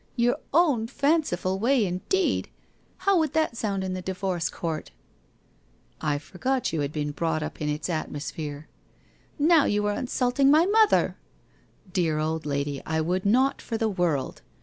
Your own fanciful way indeed ! How would that sound in the divorce court ?'' I forgot you had been brought up in its atmosphere.' ' Now you are insulting my mother !'< Dear old lady, I would not for the world